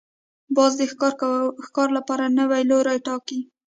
باز د ښکار لپاره نوی لوری ټاکي